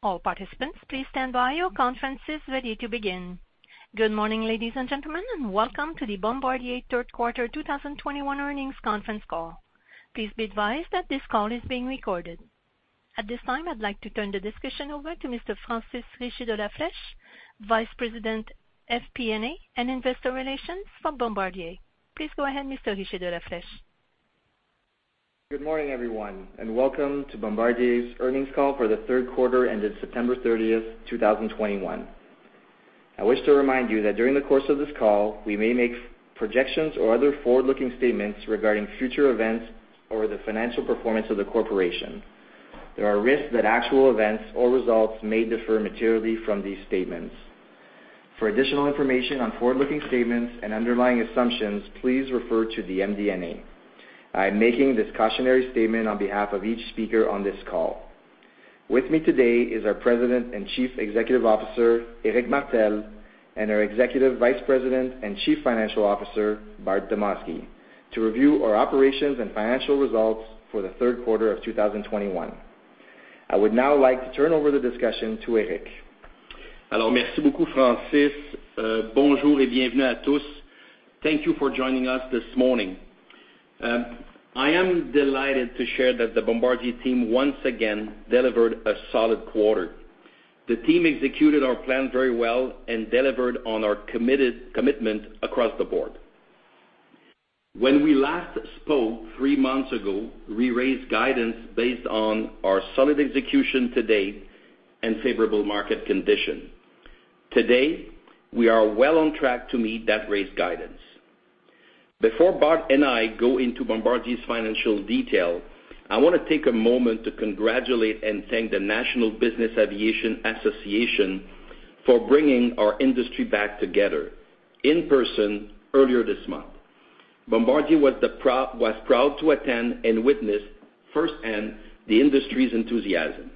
Good morning, ladies and gentlemen, and welcome to the Bombardier Third Quarter 2021 Earnings Conference Call. Please be advised that this call is being recorded. At this time, I'd like to turn the discussion over to Mr. Francis Richer de la Flèche, Vice President, FP&A and Investor Relations for Bombardier. Please go ahead, Mr. Richer de la Flèche. Good morning, everyone, and welcome to Bombardier's earnings call for the third quarter ended September 30, 2021. I wish to remind you that during the course of this call, we may make projections or other forward-looking statements regarding future events or the financial performance of the corporation. There are risks that actual events or results may differ materially from these statements. For additional information on forward-looking statements and underlying assumptions, please refer to the MD&A. I am making this cautionary statement on behalf of each speaker on this call. With me today is our President and Chief Executive Officer, Éric Martel, and our Executive Vice President and Chief Financial Officer, Bart Demosky, to review our operations and financial results for the third quarter of 2021. I would now like to turn over the discussion to Éric. Alors merci beaucoup, Francis. Bonjour et bienvenue à tous. Thank you for joining us this morning. I am delighted to share that the Bombardier team once again delivered a solid quarter. The team executed our plan very well and delivered on our commitment across the board. When we last spoke three months ago, we raised guidance based on our solid execution to date and favorable market conditions. Today, we are well on track to meet that raised guidance. Before Bart and I go into Bombardier's financial details, I wanna take a moment to congratulate and thank the National Business Aviation Association for bringing our industry back together in person earlier this month. Bombardier was proud to attend and witness firsthand the industry's enthusiasm.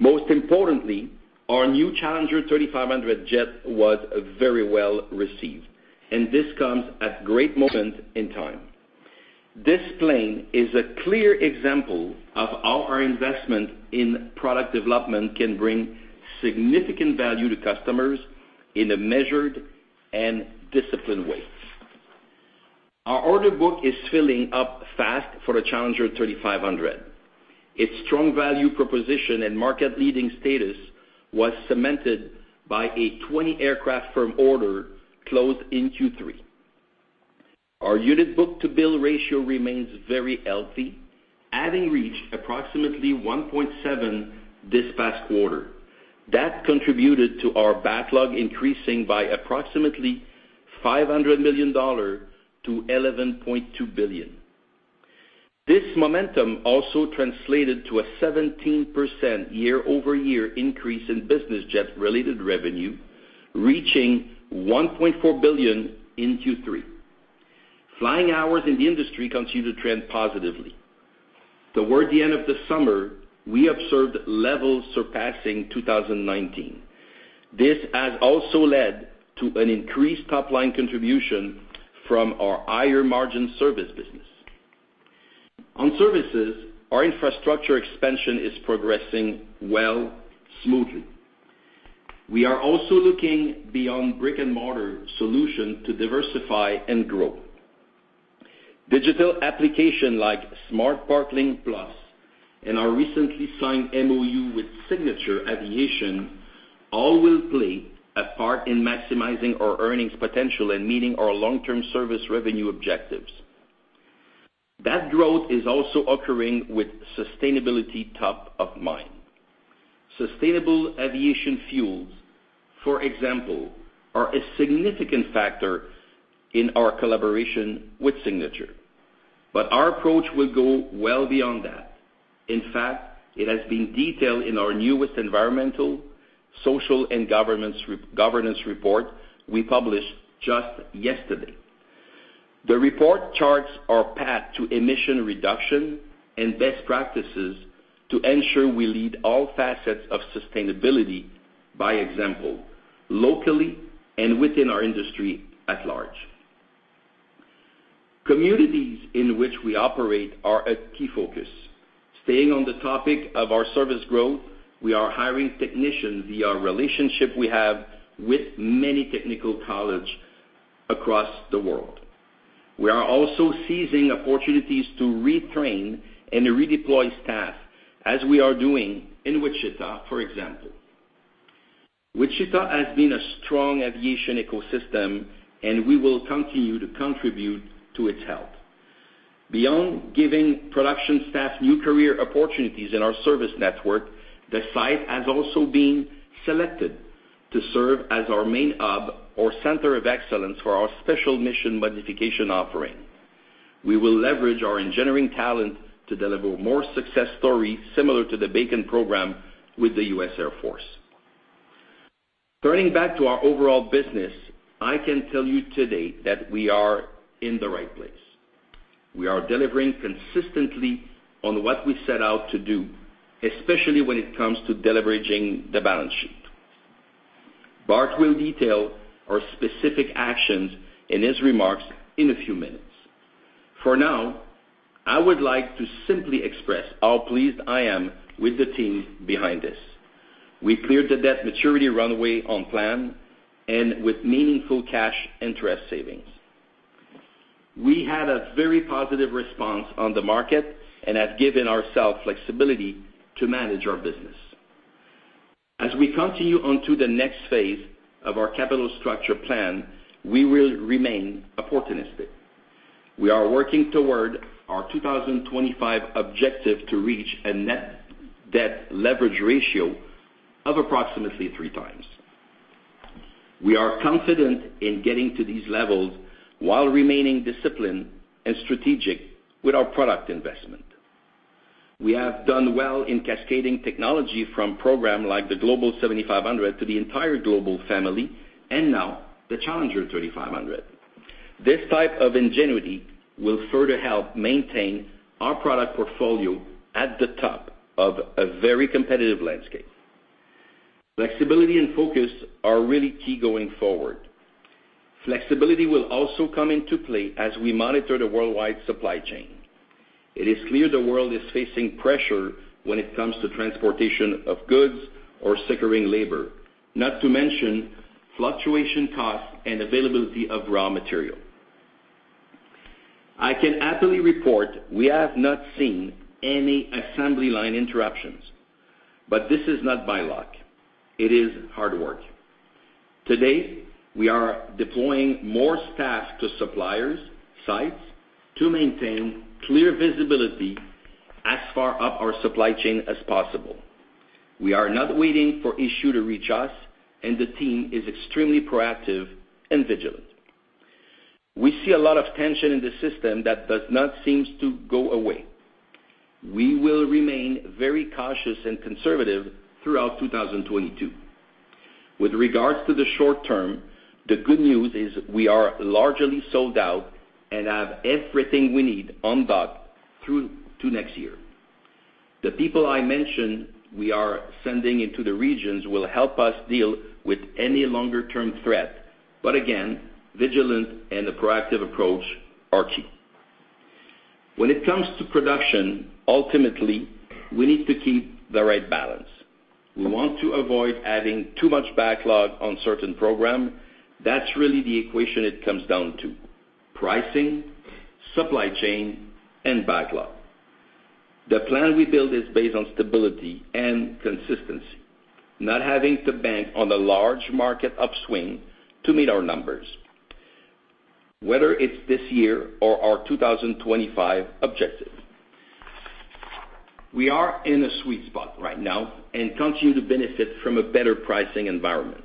Most importantly, our new Challenger 3500 jet was very well received, and this comes at great moment in time. This plane is a clear example of how our investment in product development can bring significant value to customers in a measured and disciplined way. Our order book is filling up fast for the Challenger 3500. Its strong value proposition and market-leading status was cemented by a 20-aircraft firm order closed in Q3. Our unit book-to-bill ratio remains very healthy, having reached approximately 1.7 this past quarter. That contributed to our backlog increasing by approximately $500 million to $11.2 billion. This momentum also translated to a 17% year-over-year increase in business jet related revenue, reaching $1.4 billion in Q3. Flying hours in the industry continue to trend positively. Toward the end of the summer, we observed levels surpassing 2019. This has also led to an increased top-line contribution from our higher-margin service business. On services, our infrastructure expansion is progressing well, smoothly. We are also looking beyond brick-and-mortar solution to diversify and grow. Digital application like Smart Link Plus and our recently signed MoU with Signature Aviation all will play a part in maximizing our earnings potential and meeting our long-term service revenue objectives. That growth is also occurring with sustainability top of mind. Sustainable aviation fuels, for example, are a significant factor in our collaboration with Signature, but our approach will go well beyond that. In fact, it has been detailed in our newest Environmental, Social, and Governance report we published just yesterday. The report charts our path to emission reduction and best practices to ensure we lead all facets of sustainability by example, locally and within our industry at large. Communities in which we operate are a key focus. Staying on the topic of our service growth, we are hiring technicians via relationship we have with many technical college across the world. We are also seizing opportunities to retrain and redeploy staff as we are doing in Wichita, for example. Wichita has been a strong aviation ecosystem, and we will continue to contribute to its health. Beyond giving production staff new career opportunities in our service network, the site has also been selected to serve as our main hub or center of excellence for our special mission modification offering. We will leverage our engineering talent to deliver more success stories similar to the BACN program with the U.S. Air Force. Turning back to our overall business, I can tell you today that we are in the right place. We are delivering consistently on what we set out to do, especially when it comes to deleveraging the balance sheet. Bart will detail our specific actions in his remarks in a few minutes. For now, I would like to simply express how pleased I am with the team behind this. We cleared the debt maturity runway on plan and with meaningful cash interest savings. We had a very positive response on the market and have given ourselves flexibility to manage our business. As we continue on to the next phase of our capital structure plan, we will remain opportunistic. We are working toward our 2025 objective to reach a net debt leverage ratio of approximately 3x. We are confident in getting to these levels while remaining disciplined and strategic with our product investment. We have done well in cascading technology from programs like the Global 7500 to the entire Global family, and now the Challenger 3500. This type of ingenuity will further help maintain our product portfolio at the top of a very competitive landscape. Flexibility and focus are really key going forward. Flexibility will also come into play as we monitor the worldwide supply chain. It is clear the world is facing pressure when it comes to transportation of goods or securing labor, not to mention fluctuating costs and availability of raw materials. I can happily report we have not seen any assembly line interruptions, but this is not by luck. It is hard work. Today, we are deploying more staff to suppliers' sites to maintain clear visibility as far up our supply chain as possible. We are not waiting for issues to reach us, and the team is extremely proactive and vigilant. We see a lot of tension in the system that does not seem to go away. We will remain very cautious and conservative throughout 2022. With regards to the short term, the good news is we are largely sold out and have everything we need in stock through to next year. The people I mentioned we are sending into the regions will help us deal with any longer-term threat. Again, vigilant and a proactive approach are key. When it comes to production, ultimately, we need to keep the right balance. We want to avoid adding too much backlog on certain programs. That's really the equation it comes down to, pricing, supply chain, and backlog. The plan we build is based on stability and consistency, not having to bank on the large market upswing to meet our numbers, whether it's this year or our 2025 objective. We are in a sweet spot right now and continue to benefit from a better pricing environment.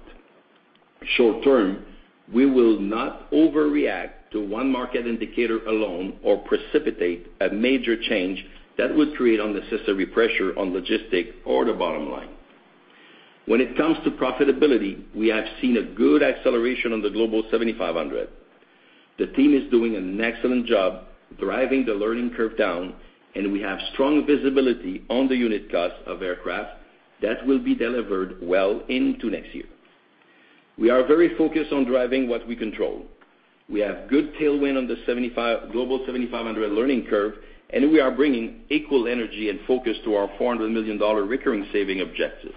Short term, we will not overreact to one market indicator alone or precipitate a major change that would create unnecessary pressure on logistics or the bottom line. When it comes to profitability, we have seen a good acceleration on the Global 7500. The team is doing an excellent job driving the learning curve down, and we have strong visibility on the unit cost of aircraft that will be delivered well into next year. We are very focused on driving what we control. We have good tailwind on the 75 Global 7,500 learning curve, and we are bringing equal energy and focus to our $400 million recurring saving objective.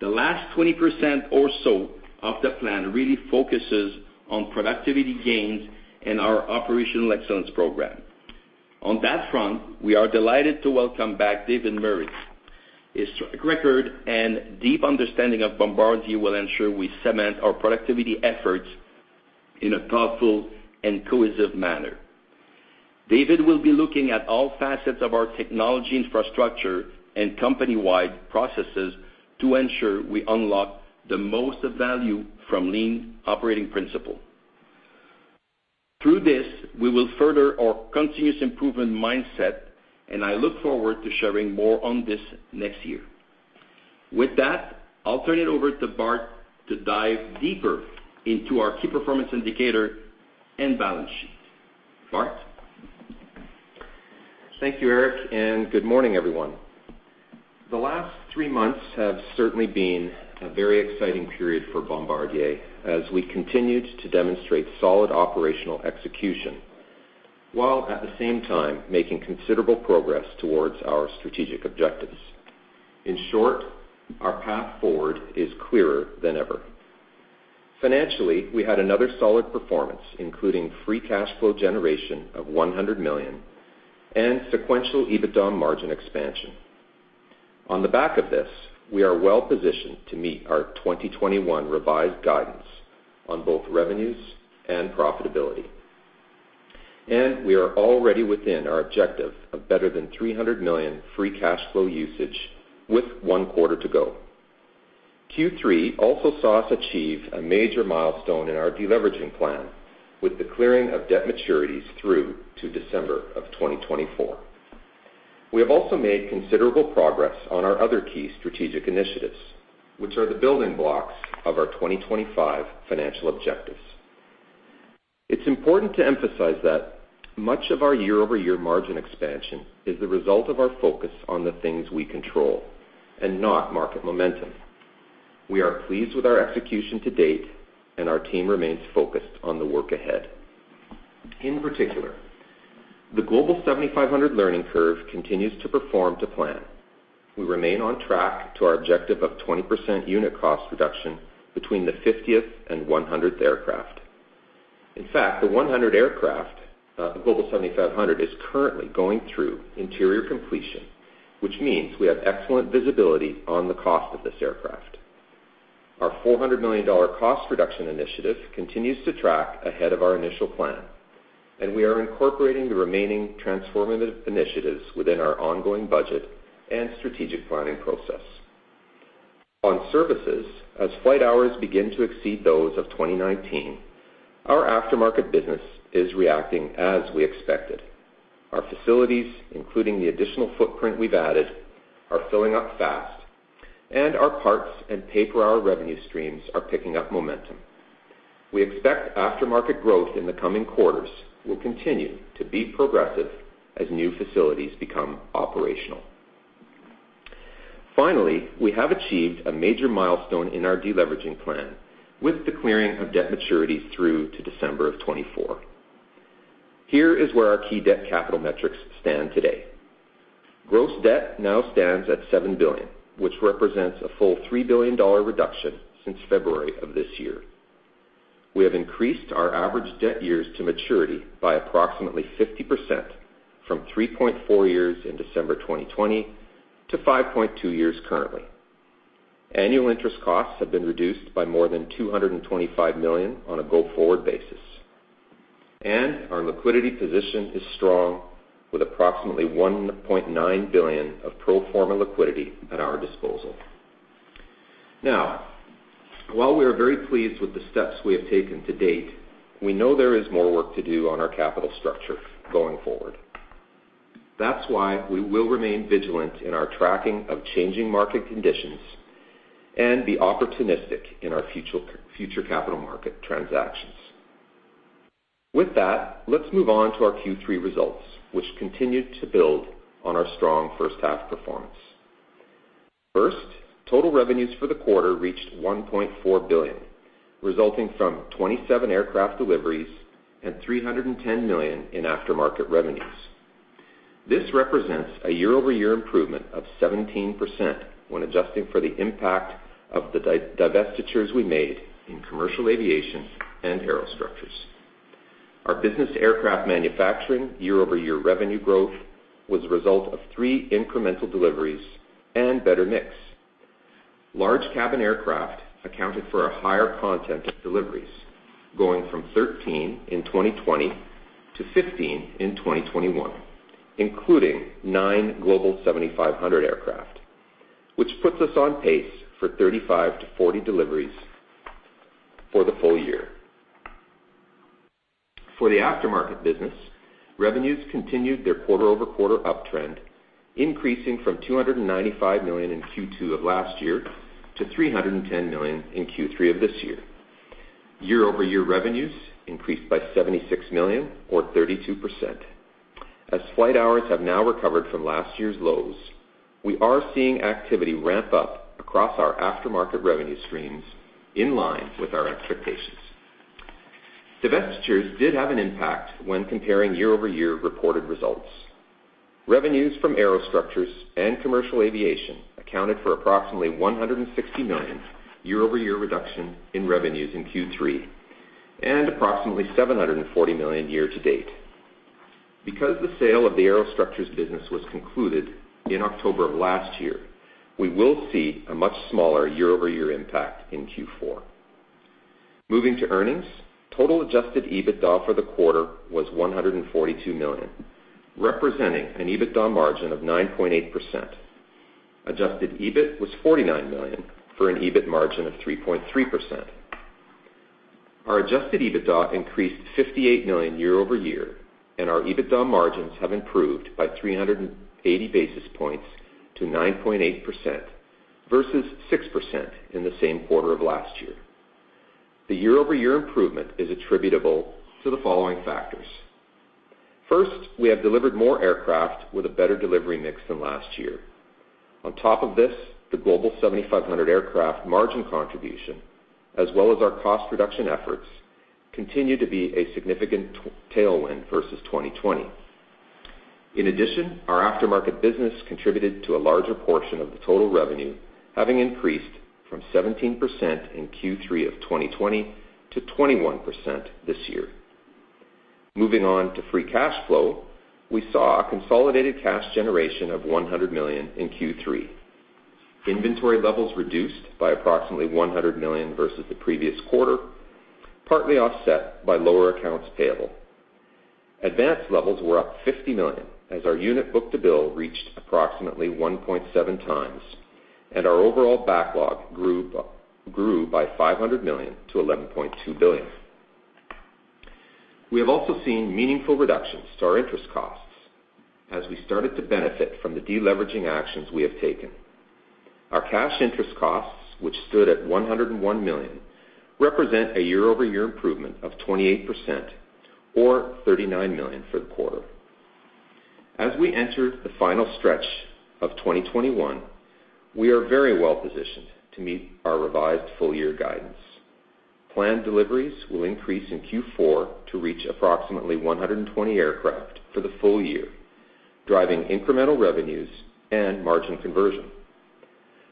The last 20% or so of the plan really focuses on productivity gains and our operational excellence program. On that front, we are delighted to welcome back David Murray. His track record and deep understanding of Bombardier will ensure we cement our productivity efforts in a thoughtful and cohesive manner. David will be looking at all facets of our technology infrastructure and company-wide processes to ensure we unlock the most value from lean operating principle. Through this, we will further our continuous improvement mindset, and I look forward to sharing more on this next year. With that, I'll turn it over to Bart to dive deeper into our key performance indicator and balance sheet. Bart? Thank you, Éric, and good morning, everyone. The last three months have certainly been a very exciting period for Bombardier as we continued to demonstrate solid operational execution, while at the same time making considerable progress towards our strategic objectives. In short, our path forward is clearer than ever. Financially, we had another solid performance, including free cash flow generation of $100 million and sequential EBITDA margin expansion. On the back of this, we are well positioned to meet our 2021 revised guidance on both revenues and profitability. We are already within our objective of better than $300 million free cash flow usage with one quarter to go. Q3 also saw us achieve a major milestone in our deleveraging plan with the clearing of debt maturities through to December of 2024. We have also made considerable progress on our other key strategic initiatives, which are the building blocks of our 2025 financial objectives. It's important to emphasize that much of our year-over-year margin expansion is the result of our focus on the things we control and not market momentum. We are pleased with our execution to date, and our team remains focused on the work ahead. In particular, the Global 7500 learning curve continues to perform to plan. We remain on track to our objective of 20% unit cost reduction between the 50th and 100th aircraft. In fact, the 100th aircraft, Global 7500, is currently going through interior completion, which means we have excellent visibility on the cost of this aircraft. Our $400 million cost reduction initiative continues to track ahead of our initial plan, and we are incorporating the remaining transformative initiatives within our ongoing budget and strategic planning process. On services, as flight hours begin to exceed those of 2019, our aftermarket business is reacting as we expected. Our facilities, including the additional footprint we've added, are filling up fast, and our parts and pay-per-hour revenue streams are picking up momentum. We expect aftermarket growth in the coming quarters will continue to be progressive as new facilities become operational. Finally, we have achieved a major milestone in our deleveraging plan with the clearing of debt maturities through to December 2024. Here is where our key debt capital metrics stand today. Gross debt now stands at $7 billion, which represents a full $3 billion reduction since February of this year. We have increased our average debt years to maturity by approximately 50% from 3.4 years in December 2020 to 5.2 years currently. Annual interest costs have been reduced by more than $225 million on a go-forward basis. Our liquidity position is strong with approximately $1.9 billion of pro forma liquidity at our disposal. Now, while we are very pleased with the steps we have taken to date, we know there is more work to do on our capital structure going forward. That's why we will remain vigilant in our tracking of changing market conditions and be opportunistic in our future capital market transactions. With that, let's move on to our Q3 results, which continued to build on our strong first half performance. First, total revenues for the quarter reached $1.4 billion, resulting from 27 aircraft deliveries and $310 million in aftermarket revenues. This represents a year-over-year improvement of 17% when adjusting for the impact of the divestitures we made in commercial aviation and aerostructures. Our business aircraft manufacturing year-over-year revenue growth was a result of 3 incremental deliveries and better mix. Large cabin aircraft accounted for a higher content of deliveries, going from 13 in 2020 to 15 in 2021, including 9 Global 7500 aircraft, which puts us on pace for 35 to 40 deliveries for the full year. For the aftermarket business, revenues continued their quarter-over-quarter uptrend, increasing from $295 million in Q2 of last year to $310 million in Q3 of this year. Year-over-year revenues increased by $76 million or 32%. As flight hours have now recovered from last year's lows, we are seeing activity ramp up across our aftermarket revenue streams in line with our expectations. Divestitures did have an impact when comparing year-over-year reported results. Revenues from aerostructures and commercial aviation accounted for approximately $160 million year-over-year reduction in revenues in Q3, and approximately $740 million year to date. Because the sale of the aerostructures business was concluded in October of last year, we will see a much smaller year-over-year impact in Q4. Moving to earnings, total adjusted EBITDA for the quarter was $142 million, representing an EBITDA margin of 9.8%. Adjusted EBIT was $49 million for an EBIT margin of 3.3%. Our adjusted EBITDA increased $58 million year-over-year, and our EBITDA margins have improved by 380 basis points to 9.8% versus 6% in the same quarter of last year. The year-over-year improvement is attributable to the following factors. First, we have delivered more aircraft with a better delivery mix than last year. On top of this, the Global 7500 aircraft margin contribution, as well as our cost reduction efforts, continue to be a significant tailwind versus 2020. In addition, our aftermarket business contributed to a larger portion of the total revenue, having increased from 17% in Q3 of 2020 to 21% this year. Moving on to free cash flow, we saw a consolidated cash generation of $100 million in Q3. Inventory levels reduced by approximately $100 million versus the previous quarter, partly offset by lower accounts payable. Advances levels were up $50 million as our unit book-to-bill reached approximately 1.7x, and our overall backlog grew by $500 million to $11.2 billion. We have also seen meaningful reductions to our interest costs as we started to benefit from the deleveraging actions we have taken. Our cash interest costs, which stood at $101 million, represent a year-over-year improvement of 28% or $39 million for the quarter. As we enter the final stretch of 2021, we are very well positioned to meet our revised full-year guidance. Planned deliveries will increase in Q4 to reach approximately 120 aircraft for the full year, driving incremental revenues and margin conversion.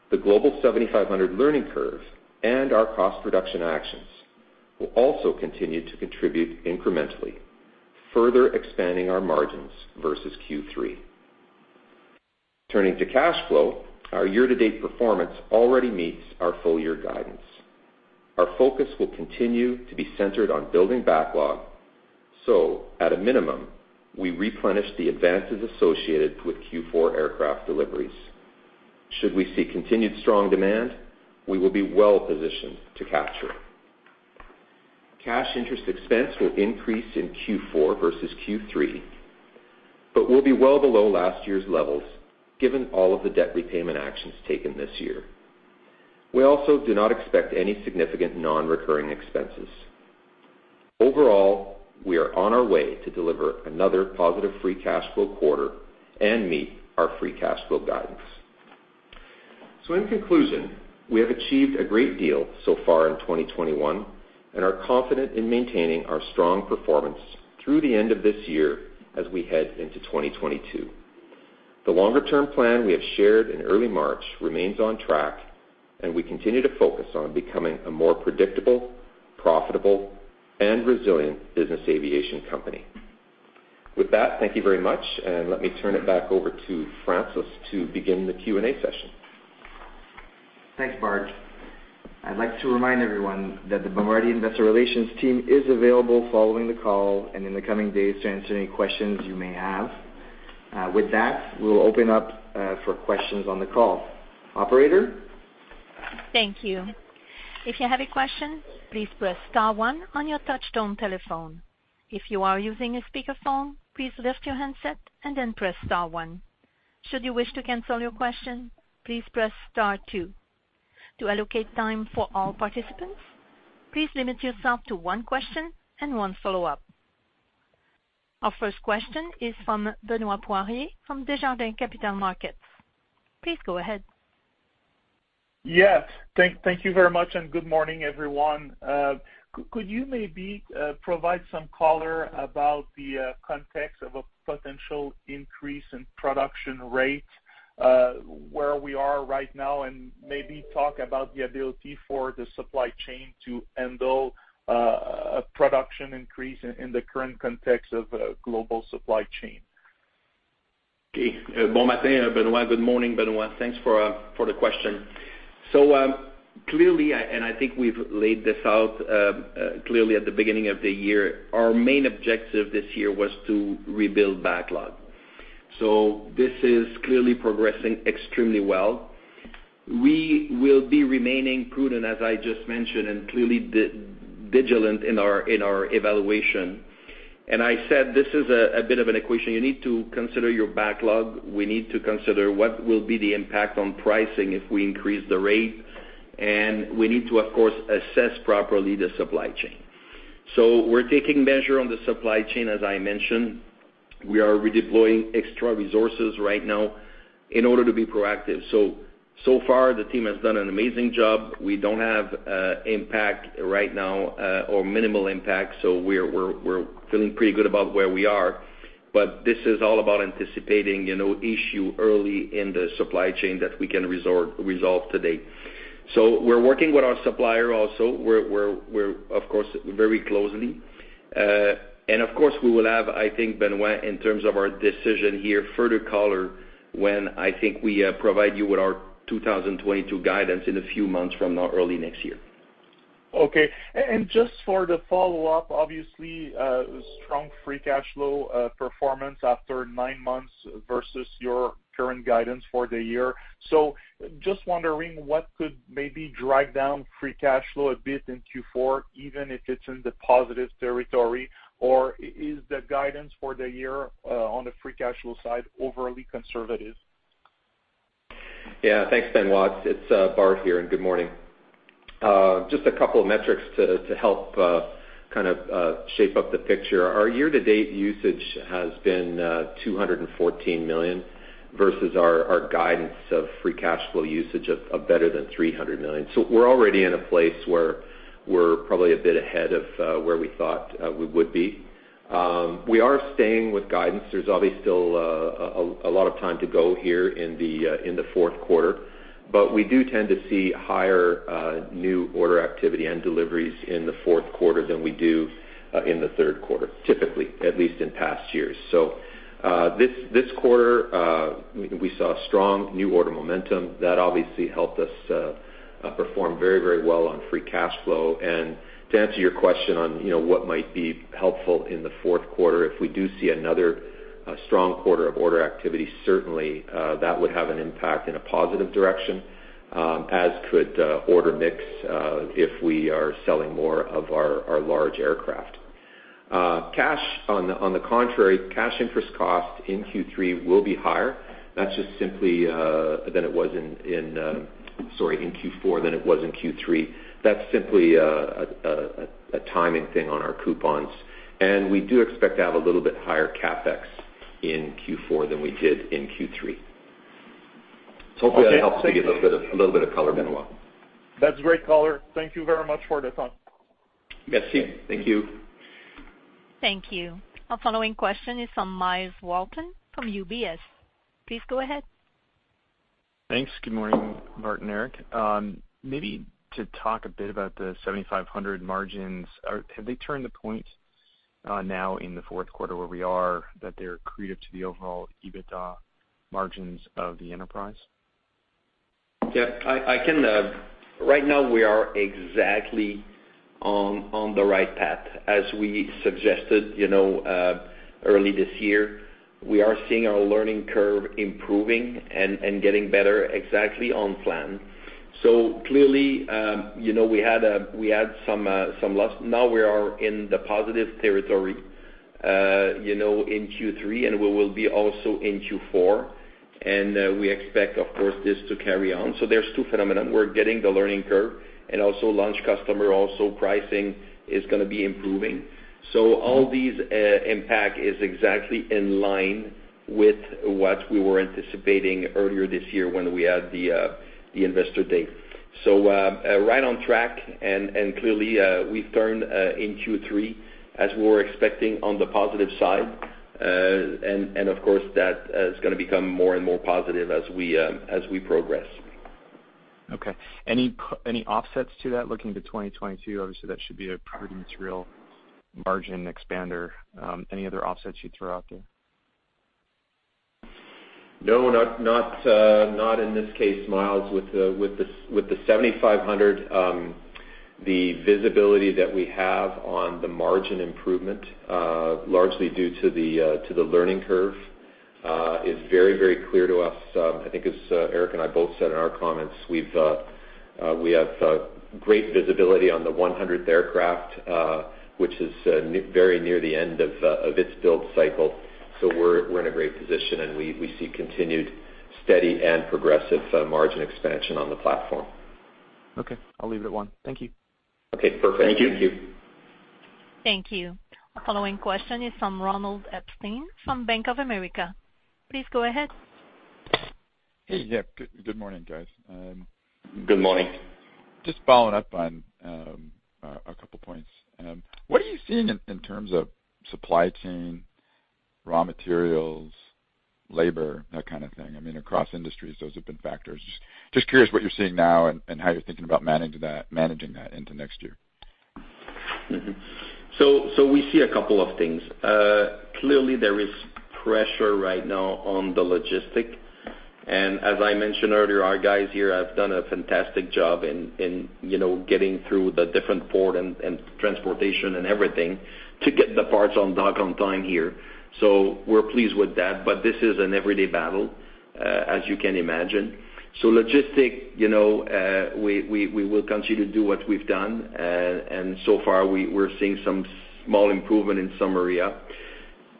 The Global 7500 learning curve and our cost reduction actions will also continue to contribute incrementally, further expanding our margins versus Q3. Turning to cash flow, our year-to-date performance already meets our full-year guidance. Our focus will continue to be centered on building backlog, so at a minimum, we replenish the advances associated with Q4 aircraft deliveries. Should we see continued strong demand, we will be well positioned to capture it. Cash interest expense will increase in Q4 versus Q3, but will be well below last year's levels given all of the debt repayment actions taken this year. We also do not expect any significant non-recurring expenses. Overall, we are on our way to deliver another positive free cash flow quarter and meet our free cash flow guidance. In conclusion, we have achieved a great deal so far in 2021 and are confident in maintaining our strong performance through the end of this year as we head into 2022. The longer-term plan we have shared in early March remains on track, and we continue to focus on becoming a more predictable, profitable, and resilient business aviation company. With that, thank you very much, and let me turn it back over to Francis to begin the Q&A session. Thanks, Bart. I'd like to remind everyone that the Bombardier Investor Relations team is available following the call and in the coming days to answer any questions you may have. With that, we'll open up for questions on the call. Operator? Thank you. If you have a question, please press star one on your touchtone telephone. If you are using a speakerphone, please lift your handset and then press star one. Should you wish to cancel your question, please press star two. To allocate time for all participants, please limit yourself to one question and one follow-up. Our first question is from Benoit Poirier from Desjardins Capital Markets. Please go ahead. Yes. Thank you very much, and good morning, everyone. Could you maybe provide some color about the context of a potential increase in production rate, where we are right now, and maybe talk about the ability for the supply chain to handle a production increase in the current context of global supply chain? Okay. Bon matin, Benoit. Good morning, Benoit. Thanks for the question. Clearly, I think we've laid this out clearly at the beginning of the year. Our main objective this year was to rebuild backlog. This is clearly progressing extremely well. We will be remaining prudent, as I just mentioned, and clearly vigilant in our evaluation. I said this is a bit of an equation. You need to consider your backlog. We need to consider what will be the impact on pricing if we increase the rate, and we need to, of course, assess properly the supply chain. We're taking measures on the supply chain, as I mentioned. We are redeploying extra resources right now in order to be proactive. So far, the team has done an amazing job. We don't have impact right now or minimal impact, so we're feeling pretty good about where we are. This is all about anticipating, you know, issue early in the supply chain that we can resolve today. We're working with our supplier also, we're of course very closely. Of course, we will have, I think, Benoit, in terms of our decision here, further color when I think we provide you with our 2022 guidance in a few months from now, early next year. Okay. Just for the follow-up, obviously, strong free cash flow performance after nine months versus your current guidance for the year. Just wondering what could maybe drive down free cash flow a bit in Q4, even if it's in the positive territory? Or is the guidance for the year on the free cash flow side overly conservative? Yeah. Thanks, Benoit. It's Bart here, and good morning. Just a couple of metrics to help kind of shape up the picture. Our year-to-date usage has been $214 million versus our guidance of free cash flow usage of better than $300 million. We're already in a place where we're probably a bit ahead of where we thought we would be. We are staying with guidance. There's obviously still a lot of time to go here in the fourth quarter, but we do tend to see higher new order activity and deliveries in the fourth quarter than we do in the third quarter, typically, at least in past years. This quarter we saw strong new order momentum. That obviously helped us perform very well on free cash flow. To answer your question on, you know, what might be helpful in the fourth quarter, if we do see another strong quarter of order activity, certainly that would have an impact in a positive direction, as could order mix, if we are selling more of our large aircraft. On the contrary, cash interest cost in Q4 will be higher. That's simply a timing thing on our coupons. We do expect to have a little bit higher CapEx in Q4 than we did in Q3. Hopefully that helps to give a little bit of color, Manuel. That's great color. Thank you very much for the time. Merci. Thank you. Thank you. Our following question is from Myles Walton from UBS. Please go ahead. Thanks. Good morning, Bart, Éric. Maybe to talk a bit about the Global 7500 margins. Have they turned the corner now in the fourth quarter where we are that they're accretive to the overall EBITDA margins of the enterprise? Yeah. I can. Right now we are exactly on the right path. As we suggested, you know, early this year, we are seeing our learning curve improving and getting better exactly on plan. Clearly, you know, we had some loss. Now we are in the positive territory, you know, in Q3, and we will be also in Q4. We expect, of course, this to carry on. There's two phenomena. We're getting the learning curve and also launch customer. Also pricing is gonna be improving. All these impact is exactly in line with what we were anticipating earlier this year when we had the Investor Day. Right on track and clearly, we've turned in Q3 as we were expecting on the positive side. Of course that is gonna become more and more positive as we progress. Okay. Any offsets to that looking to 2022? Obviously, that should be a pretty material margin expander. Any other offsets you'd throw out there? No, not in this case, Myles. With the 7,500, the visibility that we have on the margin improvement, largely due to the learning curve, is very clear to us. I think as Éric and I both said in our comments, we have great visibility on the 100th aircraft, which is very near the end of its build cycle. We're in a great position, and we see continued steady and progressive margin expansion on the platform. Okay. I'll leave it at one. Thank you. Okay. Perfect. Thank you. Thank you. Thank you. Our following question is from Ronald Epstein from Bank of America. Please go ahead. Hey. Yeah. Good morning, guys. Good morning. Just following up on a couple points. What are you seeing in terms of supply chain, raw materials, labor, that kind of thing? I mean, across industries, those have been factors. Just curious what you're seeing now and how you're thinking about managing that into next year. We see a couple of things. Clearly there is pressure right now on the logistics. As I mentioned earlier, our guys here have done a fantastic job in, you know, getting through the different port and transportation and everything to get the parts on dock on time here. We're pleased with that, but this is an everyday battle, as you can imagine. Logistics, you know, we will continue to do what we've done. So far we're seeing some small improvement in some area.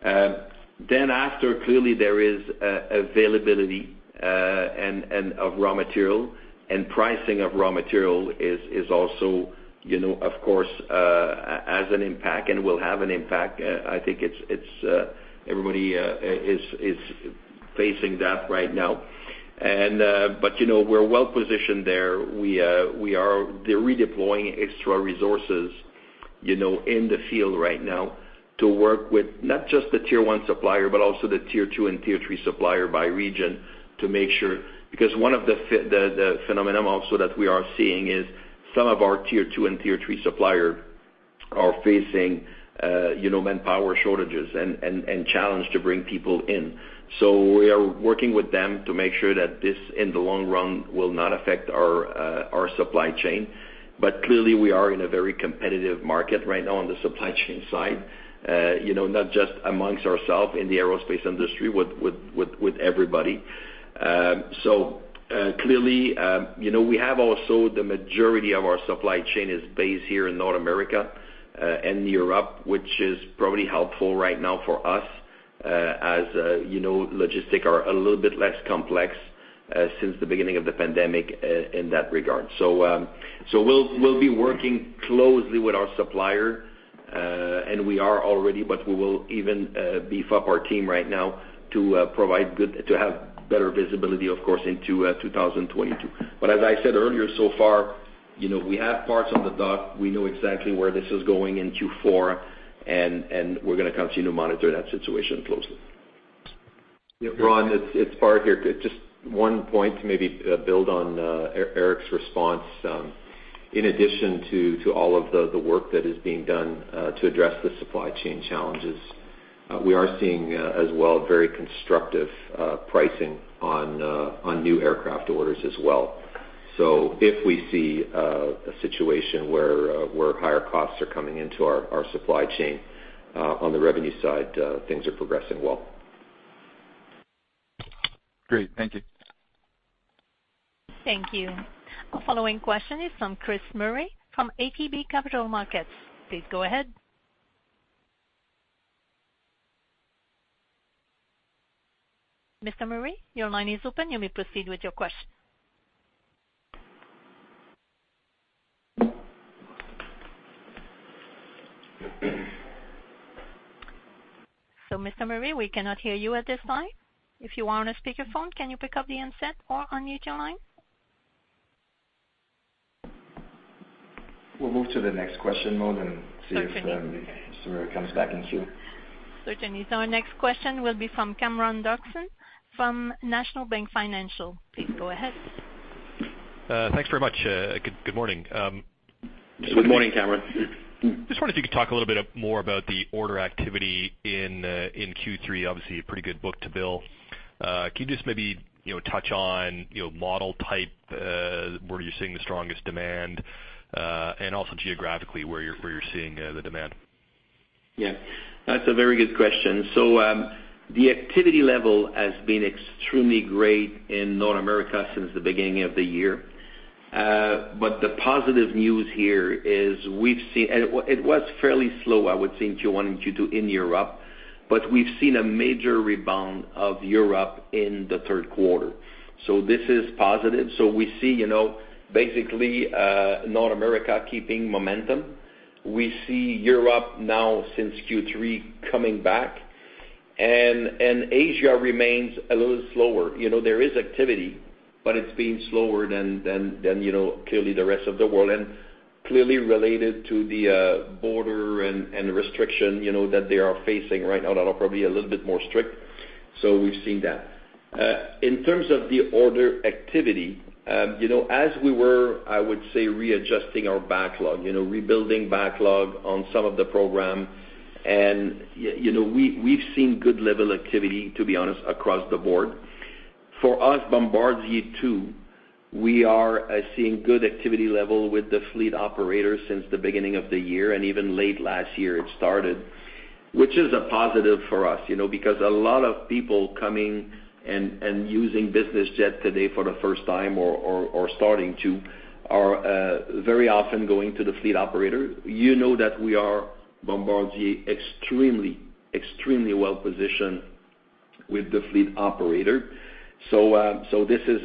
After, clearly there is availability of raw material and pricing of raw material is also, you know, of course, has an impact and will have an impact. I think it's everybody is facing that right now. You know, we're well positioned there. We are redeploying extra resources, you know, in the field right now to work with not just the tier one supplier, but also the tier two and tier three supplier by region to make sure. Because one of the the phenomenon also that we are seeing is some of our tier two and tier three supplier are facing, you know, manpower shortages and and challenge to bring people in. We are working with them to make sure that this, in the long run, will not affect our our supply chain. Clearly we are in a very competitive market right now on the supply chain side, you know, not just amongst ourselves in the aerospace industry, with everybody. Clearly, you know, we have also the majority of our supply chain is based here in North America and Europe, which is probably helpful right now for us, as you know, logistics are a little bit less complex since the beginning of the pandemic, in that regard. We'll be working closely with our supplier and we are already, but we will even beef up our team right now to have better visibility of course into 2022. As I said earlier, so far, you know, we have parts on the dock. We know exactly where this is going in Q4, and we're gonna continue to monitor that situation closely. Yeah, Ron, it's Bart here. Just one point to maybe build on Éric's response. In addition to all of the work that is being done to address the supply chain challenges, we are seeing as well very constructive pricing on new aircraft orders as well. If we see a situation where higher costs are coming into our supply chain, on the revenue side, things are progressing well. Great. Thank you. Thank you. Our following question is from Chris Murray from ATB Capital Markets. Please go ahead. Mr. Murray, your line is open. You may proceed with your question. Mr. Murray, we cannot hear you at this time. If you are on a speakerphone, can you pick up the handset or unmute your line? We'll move to the next question, Monique, and see if Mr. Murray comes back in queue. Certainly. Our next question will be from Cameron Doerksen from National Bank Financial. Please go ahead. Thanks very much. Good morning. Good morning, Cameron. Just wondered if you could talk a little bit more about the order activity in Q3. Obviously a pretty good book-to-bill. Can you just maybe, you know, touch on, you know, model type, where you're seeing the strongest demand, and also geographically, where you're seeing the demand? Yeah. That's a very good question. The activity level has been extremely great in North America since the beginning of the year. The positive news here is we've seen and it was fairly slow, I would say, in Q1 and Q2 in Europe, but we've seen a major rebound in Europe in the third quarter. This is positive. We see, you know, basically, North America keeping momentum. We see Europe now since Q3 coming back and Asia remains a little slower. You know, there is activity, but it's been slower than you know, clearly the rest of the world. Clearly related to the borders and restrictions, you know, that they are facing right now that are probably a little bit more strict. We've seen that. In terms of the order activity, you know, as we were, I would say, readjusting our backlog, you know, rebuilding backlog on some of the program, and you know, we've seen good level activity, to be honest, across the board. For us, Bombardier too, we are seeing good activity level with the fleet operators since the beginning of the year and even late last year it started, which is a positive for us, you know. Because a lot of people coming and using business jet today for the first time or starting to are very often going to the fleet operator. You know that we are, Bombardier extremely well-positioned with the fleet operator. This is,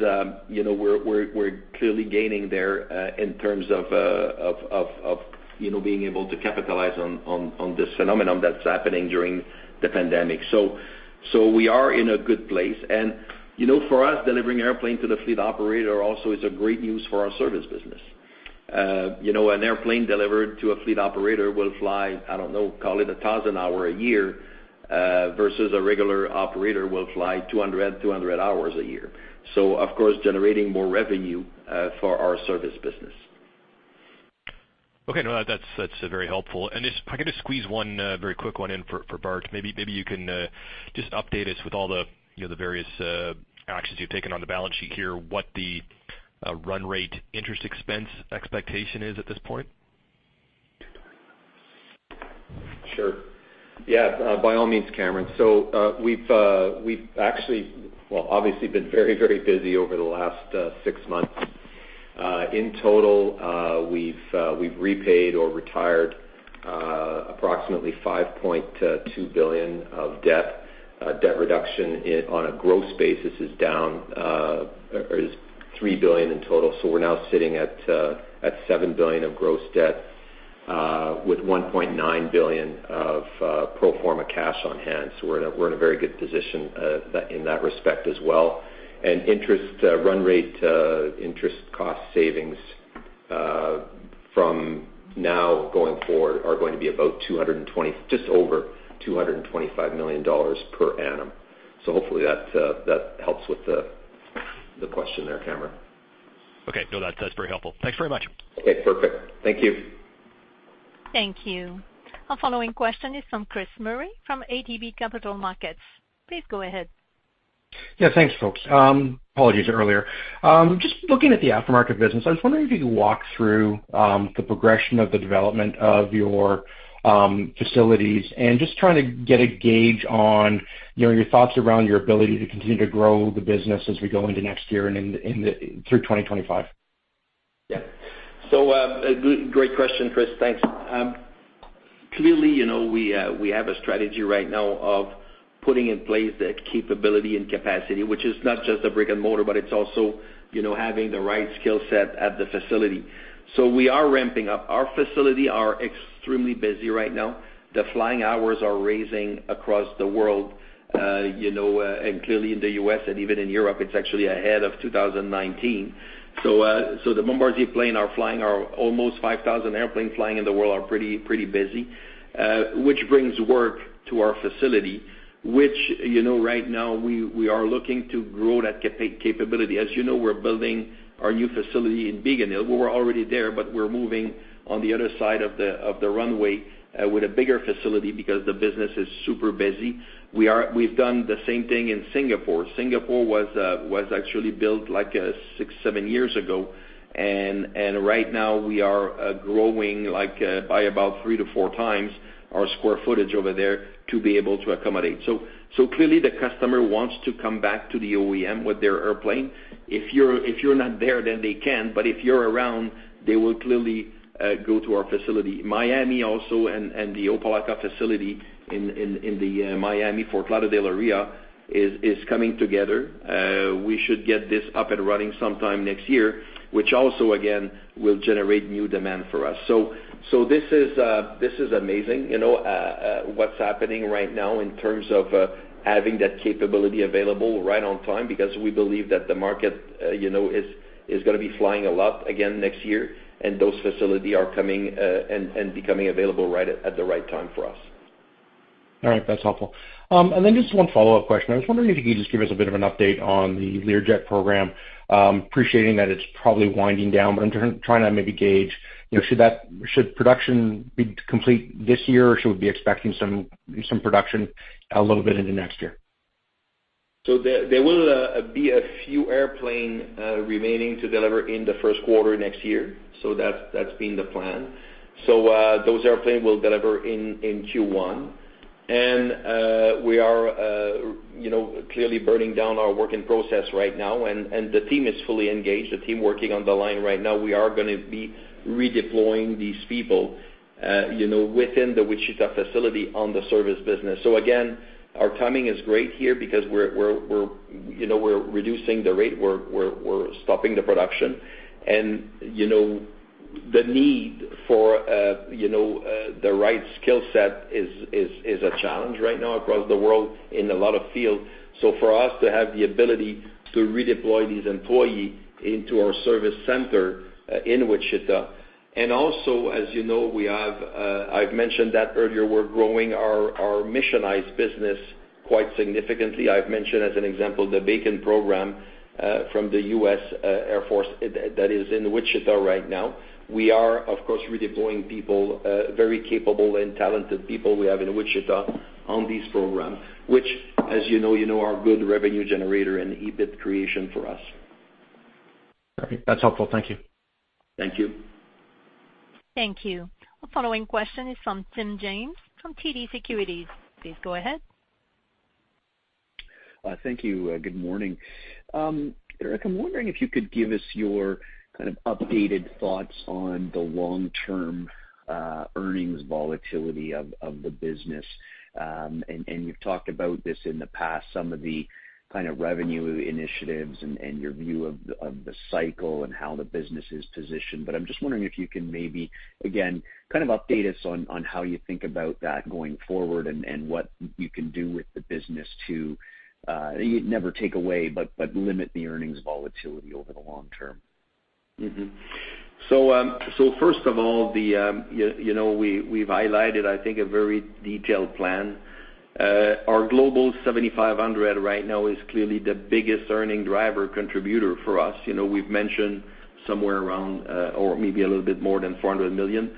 you know, we're clearly gaining there, in terms of, you know, being able to capitalize on this phenomenon that's happening during the pandemic. We are in a good place. You know, for us, delivering airplane to the fleet operator also is a great news for our service business. You know, an airplane delivered to a fleet operator will fly, I don't know, call it 1,000 hour a year, versus a regular operator will fly 200 hours a year. Of course generating more revenue, for our service business. Okay. No, that's very helpful. Just if I could just squeeze one very quick one in for Bart. Maybe you can just update us with all the, you know, the various actions you've taken on the balance sheet here, what the run rate interest expense expectation is at this point. Yeah. By all means, Cameron. We've actually, well, obviously been very, very busy over the last six months. In total, we've repaid or retired approximately $5.2 billion of debt. Debt reduction on a gross basis is down, or is $3 billion in total. We're now sitting at $7 billion of gross debt, with $1.9 billion of pro forma cash on hand. We're in a very good position, that, in that respect as well. Interest run rate interest cost savings from now going forward are going to be about $220, just over $225 million per annum. Hopefully that helps with the question there, Cameron. Okay. No, that's very helpful. Thanks very much. Okay, perfect. Thank you. Thank you. Our following question is from Chris Murray from ATB Capital Markets. Please go ahead. Yeah, thanks folks. Apologies earlier. Just looking at the aftermarket business, I was wondering if you could walk through the progression of the development of your facilities and just trying to get a gauge on, you know, your thoughts around your ability to continue to grow the business as we go into next year and in the through 2025. Yeah. A great question, Chris. Thanks. Clearly, you know, we have a strategy right now of putting in place the capability and capacity, which is not just the brick-and-mortar, but it's also, you know, having the right skill set at the facility. We are ramping up. Our facilities are extremely busy right now. The flying hours are rising across the world, you know, and clearly in the U.S. and even in Europe, it's actually ahead of 2019. The Bombardier planes are flying, our almost 5,000 airplanes flying in the world are pretty busy, which brings work to our facility, which, you know, right now we are looking to grow that capability. As you know, we're building our new facility in Biggin Hill. We're already there, but we're moving on the other side of the runway with a bigger facility because the business is super busy. We've done the same thing in Singapore. Singapore was actually built like 6 to 7 years ago. Right now we are growing, like, by about 3 to 4x our square footage over there to be able to accommodate. Clearly the customer wants to come back to the OEM with their airplane. If you're not there, then they can't. If you're around, they will clearly go to our facility. Miami also and the Opa-locka facility in the Miami-Fort Lauderdale area is coming together. We should get this up and running sometime next year, which also again will generate new demand for us. This is amazing, you know, what's happening right now in terms of having that capability available right on time, because we believe that the market, you know, is gonna be flying a lot again next year, and those facilities are coming and becoming available right at the right time for us. All right. That's helpful. Just one follow-up question. I was wondering if you could just give us a bit of an update on the Learjet program. Appreciating that it's probably winding down, but I'm trying to maybe gauge, you know, should production be complete this year, or should we be expecting some production a little bit into next year? There will be a few airplanes remaining to deliver in the first quarter next year. That's been the plan. Those airplanes will deliver in Q1. We are you know clearly burning down our work in process right now and the team is fully engaged, the team working on the line right now. We are gonna be redeploying these people you know within the Wichita facility on the service business. Again, our timing is great here because we're you know we're reducing the rate. We're stopping the production and you know the need for you know the right skill set is a challenge right now across the world in a lot of fields. For us to have the ability to redeploy these employees into our service center in Wichita. Also, as you know, I've mentioned that earlier, we're growing our missionized business quite significantly. I've mentioned as an example, the BACN program from the U.S. Air Force that is in Wichita right now. We are, of course, redeploying people, very capable and talented people we have in Wichita on these programs, which as you know are good revenue generator and EBIT creation for us. All right. That's helpful. Thank you. Thank you. Thank you. The following question is from Tim James from TD Securities. Please go ahead. Thank you. Good morning. Éric, I'm wondering if you could give us your kind of updated thoughts on the long-term earnings volatility of the business. You've talked about this in the past, some of the kind of revenue initiatives and your view of the cycle and how the business is positioned. I'm just wondering if you can maybe again kind of update us on how you think about that going forward and what you can do with the business to never take away, but limit the earnings volatility over the long term. Mm-hmm. First of all, you know, we've highlighted, I think, a very detailed plan. Our Global 7500 right now is clearly the biggest earnings driver contributor for us. You know, we've mentioned somewhere around or maybe a little bit more than $400 million.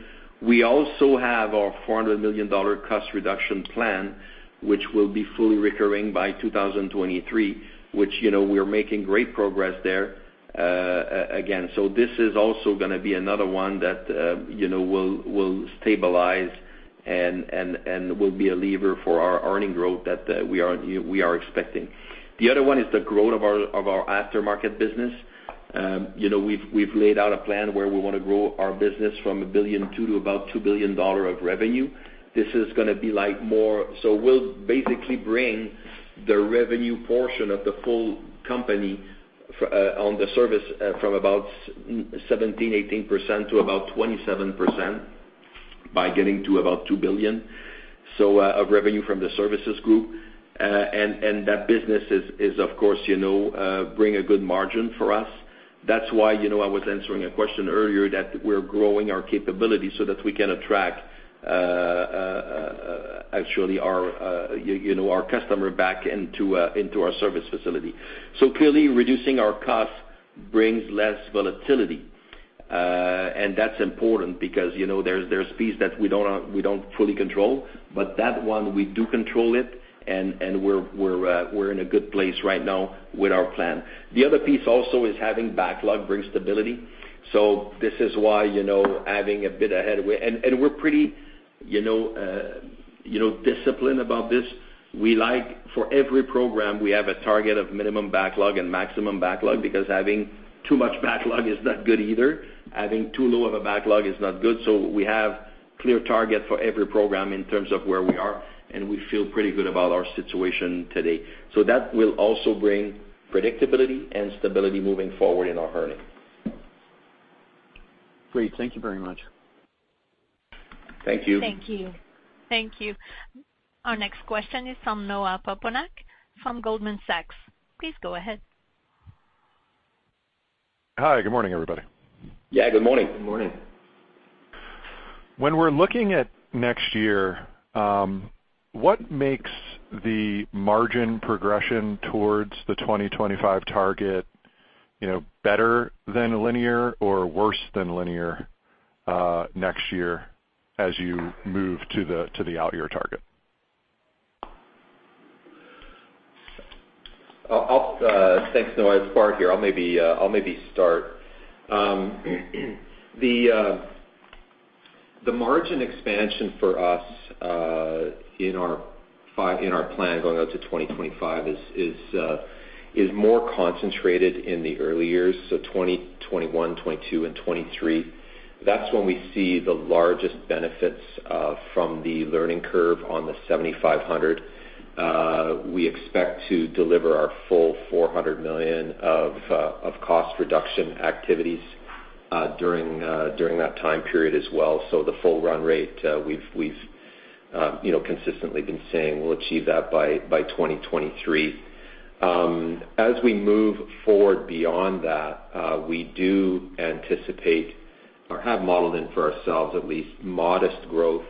We also have our $400 million cost reduction plan, which will be fully recurring by 2023, which, you know, we are making great progress there, again. This is also gonna be another one that, you know, will stabilize and will be a lever for our earnings growth that we are expecting. The other one is the growth of our aftermarket business. You know, we've laid out a plan where we wanna grow our business from $1.2 billion to about $2 billion of revenue. So we'll basically bring the revenue portion of the full company on the service from about 17% to 18% to about 27% by getting to about $2 billion. So a revenue from the services group. And that business is of course you know bring a good margin for us. That's why you know I was answering a question earlier that we're growing our capability so that we can attract actually our you know our customer back into into our service facility. So clearly reducing our costs brings less volatility. And that's important because you know there's piece that we don't fully control. That one, we do control it, and we're in a good place right now with our plan. The other piece also is having backlog bring stability. This is why, you know, having a bit ahead. We're pretty, you know, disciplined about this. We like, for every program, we have a target of minimum backlog and maximum backlog because having too much backlog is not good either. Having too low of a backlog is not good. We have clear target for every program in terms of where we are, and we feel pretty good about our situation today. That will also bring predictability and stability moving forward in our earnings. Great. Thank you very much. Thank you. Thank you. Thank you. Our next question is from Noah Poponak from Goldman Sachs. Please go ahead. Hi. Good morning, everybody. Yeah, good morning. Good morning. When we're looking at next year, what makes the margin progression towards the 2025 target, you know, better than linear or worse than linear, next year as you move to the out year target? Thanks, Noah. It's Bart here. I'll maybe start. The margin expansion for us in our plan going out to 2025 is more concentrated in the early years. 2021, 2022 and 2023. That's when we see the largest benefits from the learning curve on the Global 7500. We expect to deliver our full $400 million of cost reduction activities during that time period as well. The full run rate, we've you know, consistently been saying we'll achieve that by 2023. As we move forward beyond that, we do anticipate or have modeled in for ourselves at least modest growth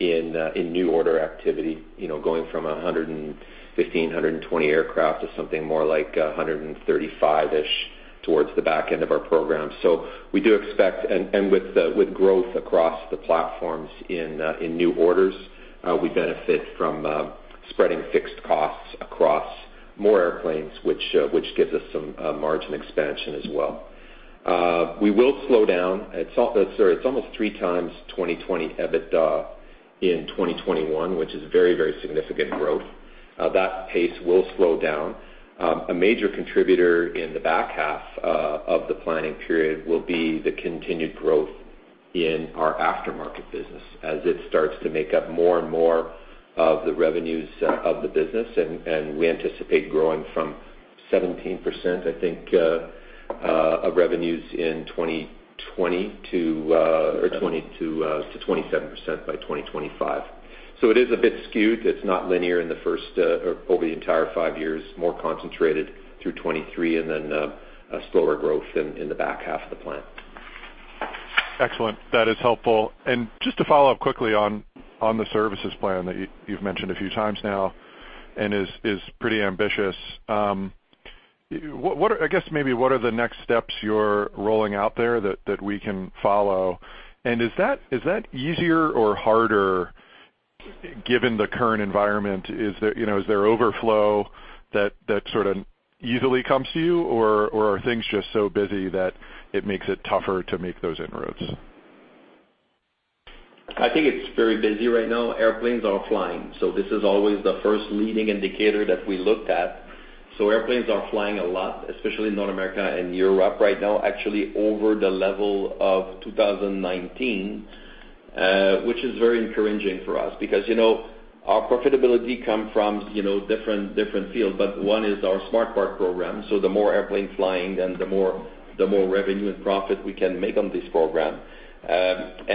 in new order activity, you know, going from 115, 120 aircraft to something more like 135-ish towards the back end of our program. We do expect and with the, with growth across the platforms in new orders, we benefit from spreading fixed costs across more airplanes, which gives us some margin expansion as well. We will slow down. It's almost three times 2020 EBITDA in 2021, which is very, very significant growth. That pace will slow down. A major contributor in the back half of the planning period will be the continued growth in our aftermarket business as it starts to make up more and more of the revenues of the business. We anticipate growing from 17%, I think, of revenues in 2020 to 27% by 2025. It is a bit skewed. It's not linear in the first or over the entire five years, more concentrated through 2023 and then a slower growth in the back half of the plan. Excellent. That is helpful. Just to follow up quickly on the services plan that you've mentioned a few times now and is pretty ambitious. I guess maybe what are the next steps you're rolling out there that we can follow? Is that easier or harder given the current environment? Is there, you know, overflow that sort of easily comes to you, or are things just so busy that it makes it tougher to make those inroads? I think it's very busy right now. Airplanes are flying, so this is always the first leading indicator that we looked at. Airplanes are flying a lot, especially in North America and Europe right now, actually over the level of 2019, which is very encouraging for us. Because, you know, our profitability come from, you know, different fields, but one is our Smart Parts program. The more airplane flying, then the more revenue and profit we can make on this program.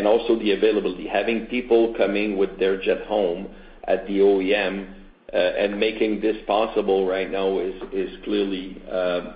Also the availability. Having people coming with their jet home at the OEM and making this possible right now is clearly,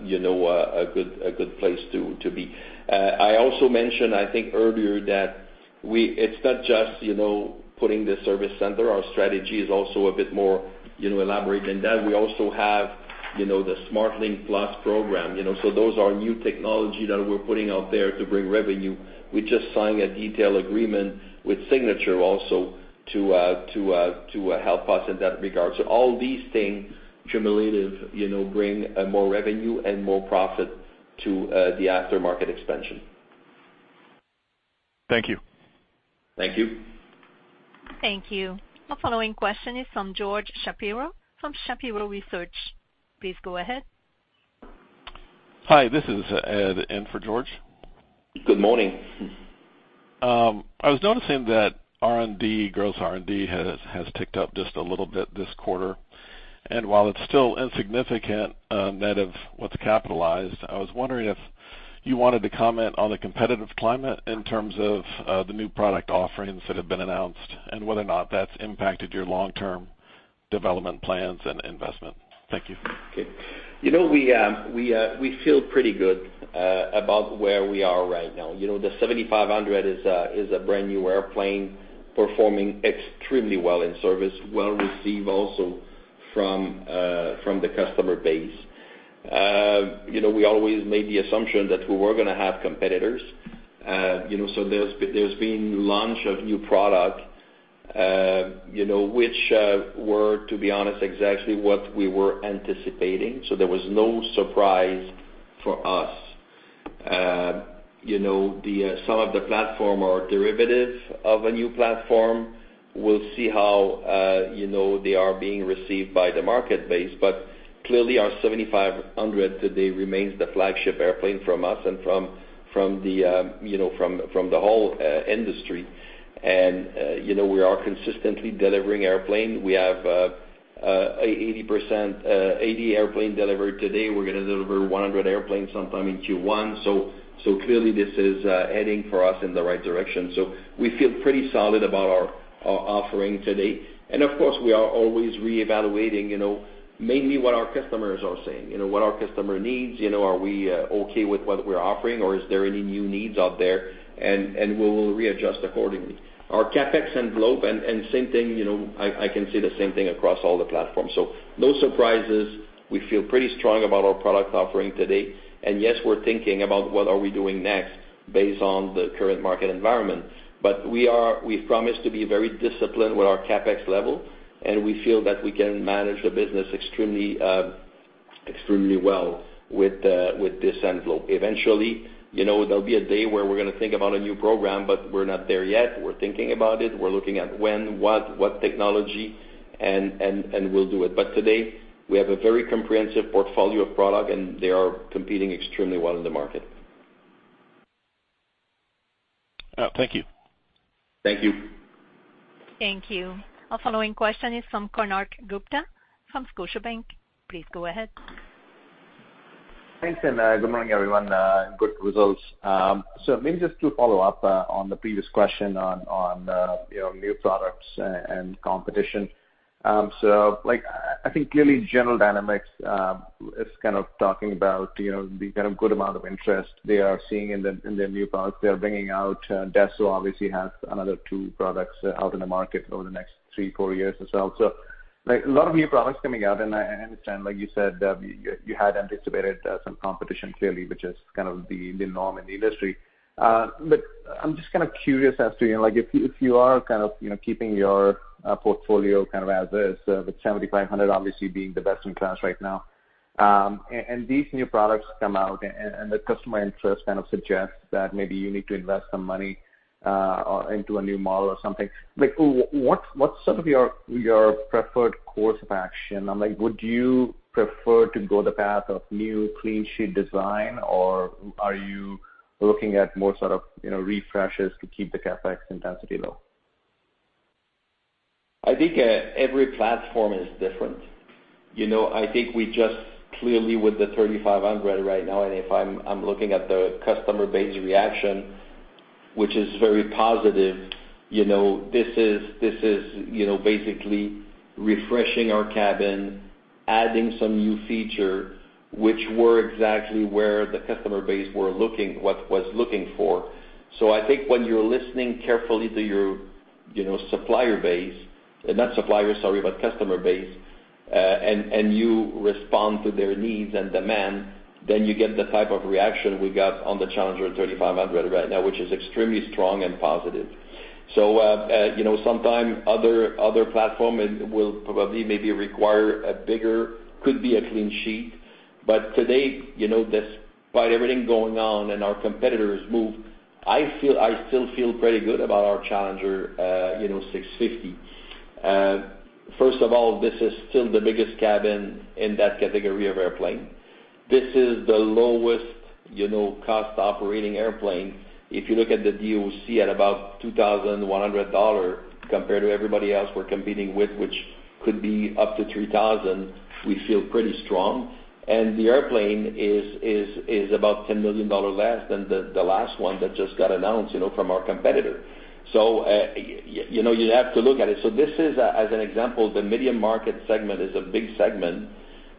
you know, a good place to be. I also mentioned, I think earlier that it's not just, you know, putting the service center. Our strategy is also a bit more, you know, elaborate than that. We also have, you know, the Smart Link Plus program, you know. Those are new technology that we're putting out there to bring revenue. We just signed a detailed agreement with Signature also to help us in that regard. All these things cumulative, you know, bring more revenue and more profit to the aftermarket expansion. Thank you. Thank you. Thank you. Our following question is from George Shapiro from Shapiro Research. Please go ahead. Hi, this is Ed in for George. Good morning. I was noticing that R&D, gross R&D has ticked up just a little bit this quarter. While it's still insignificant, net of what's capitalized, I was wondering if you wanted to comment on the competitive climate in terms of the new product offerings that have been announced and whether or not that's impacted your long-term development plans and investment. Thank you. Okay. You know, we feel pretty good about where we are right now. You know, the Global 7500 is a brand new airplane performing extremely well in service, well received also from the customer base. You know, we always made the assumption that we were gonna have competitors. You know, there's been launch of new product, you know, which were, to be honest, exactly what we were anticipating, so there was no surprise for us. You know, some of the platform are derivative of a new platform. We'll see how, you know, they are being received by the market base. Clearly, our Global 7500 today remains the flagship airplane from us and from the whole industry. You know, we are consistently delivering airplanes. We have 80%, 80 airplanes delivered today. We're gonna deliver 100 airplanes sometime in Q1. Clearly this is heading for us in the right direction. We feel pretty solid about our offering today. Of course, we are always reevaluating, you know, mainly what our customers are saying. You know, what our customer needs, you know, are we okay with what we're offering or is there any new needs out there? And we will readjust accordingly. Our CapEx envelope and same thing, you know, I can say the same thing across all the platforms. No surprises. We feel pretty strong about our product offering today. Yes, we're thinking about what we are doing next based on the current market environment. We promise to be very disciplined with our CapEx level, and we feel that we can manage the business extremely well with this envelope. Eventually, you know, there'll be a day where we're gonna think about a new program, but we're not there yet. We're thinking about it. We're looking at when, what technology, and we'll do it. Today, we have a very comprehensive portfolio of product, and they are competing extremely well in the market. Thank you. Thank you. Thank you. Our following question is from Konark Gupta from Scotiabank. Please go ahead. Thanks, good morning, everyone. Good results. Maybe just to follow up on the previous question on you know, new products and competition. Like, I think clearly General Dynamics is kind of talking about you know, the kind of good amount of interest they are seeing in the new products they are bringing out. Dassault obviously has another 2 products out in the market over the next 3 or 4 years or so. Like, a lot of new products coming out, and I understand, like you said, you had anticipated some competition clearly, which is kind of the norm in the industry. I'm just kinda curious as to, you know, like if you are kind of, you know, keeping your portfolio kind of as is with 7500 obviously being the best in class right now, and these new products come out and the customer interest kind of suggests that maybe you need to invest some money into a new model or something. What's sort of your preferred course of action? I'm like, would you prefer to go the path of new clean sheet design, or are you looking at more sort of, you know, refreshes to keep the CapEx intensity low? I think every platform is different. You know, I think we just clearly with the 3,500 right now, and if I'm looking at the customer base reaction, which is very positive. You know, this is basically refreshing our cabin, adding some new feature, which was exactly what the customer base was looking for. I think when you're listening carefully to your customer base and you respond to their needs and demand, then you get the type of reaction we got on the Challenger 3500 right now, which is extremely strong and positive. You know, sometimes other platforms will probably maybe require a bigger. Could be a clean sheet. Today, you know, despite everything going on and our competitors move, I feel. I still feel pretty good about our Challenger 650. First of all, this is still the biggest cabin in that category of airplane. This is the lowest, you know, cost operating airplane. If you look at the DOC at about $2,100 compared to everybody else we're competing with, which could be up to $3,000, we feel pretty strong. The airplane is about $10 million less than the last one that just got announced, you know, from our competitor. You know, you have to look at it. This is, as an example, the medium market segment is a big segment.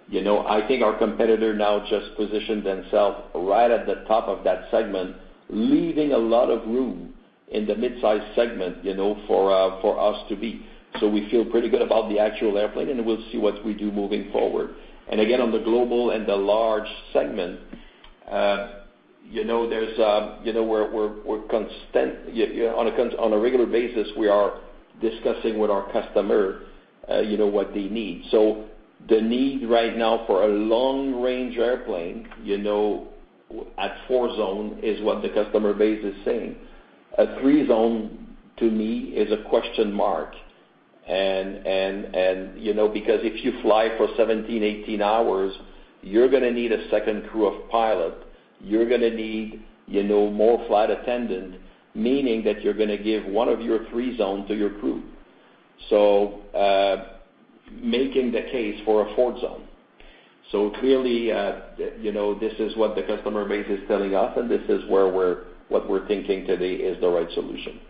You know, I think our competitor now just positioned themselves right at the top of that segment, leaving a lot of room in the mid-size segment, you know, for us to be. We feel pretty good about the actual airplane, and we'll see what we do moving forward. Again, on the global and the large segment, you know, on a regular basis, we are discussing with our customer, you know, what they need. The need right now for a long-range airplane, you know, at four zone is what the customer base is saying. A three zone to me is a question mark. You know, because if you fly for 17, 18 hours, you're gonna need a second crew of pilot. You're gonna need, you know, more flight attendant, meaning that you're gonna give one of your three zone to your crew. Making the case for a four zone. Clearly, you know, this is what the customer base is telling us, and this is what we're thinking today is the right solution.